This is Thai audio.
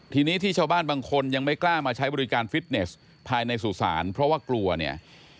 ทีนี้ที่ชาวบ้านบางคนยังไม่กล้ามาใช้บริการฟิตเนสภายในสู่ศาลเพราะว่ากลัวเนี่ย